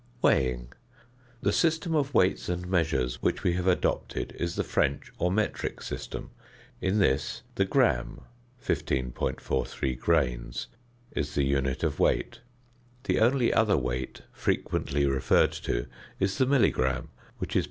~Weighing.~ The system of weights and measures which we have adopted is the French or metric system; in this the gram (15.43 grains) is the unit of weight; the only other weight frequently referred to is the milligram, which is 0.